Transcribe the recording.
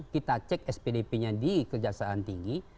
kita cek spdp nya di kejaksaan tinggi